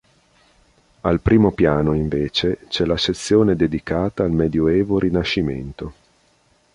Al primo piano, invece, c'è la sezione dedicata al medioevo-rinascimento.